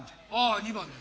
２番です。